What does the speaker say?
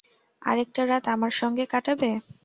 আরেকটা রাত আমার সঙ্গে কাটাবে?